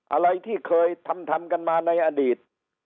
อะไรที่เคยทำทำกันมาในอดีต